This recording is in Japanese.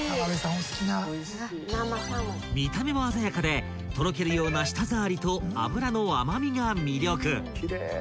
［見た目も鮮やかでとろけるような舌触りと脂の甘味が魅力］